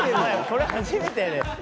これ初めてです。